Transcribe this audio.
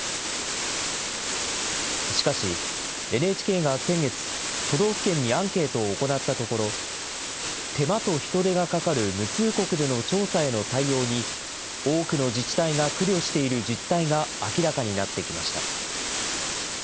しかし、ＮＨＫが先月、都道府県にアンケートを行ったところ、手間と人手がかかる無通告での調査への対応に、多くの自治体が苦慮している実態が明らかになってきました。